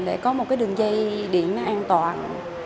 để có một đường dây điện an toàn